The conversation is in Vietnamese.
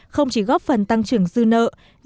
không chỉ góp phần tăng trưởng dư nợ